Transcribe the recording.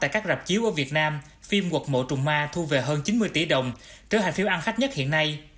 chiếu ở việt nam phim quật mộ trùng ma thu về hơn chín mươi tỷ đồng trở thành phiếu ăn khách nhất hiện nay